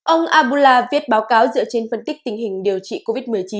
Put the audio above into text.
ông abula viết báo cáo dựa trên phân tích tình hình điều trị covid một mươi chín